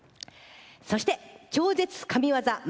そして、「超絶神業！